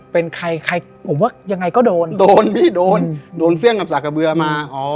เป็นใครใครผมว่ายังไงก็โดนโดนพี่โดนโดนเฟี่ยงกับสากะเบือมาอ๋อ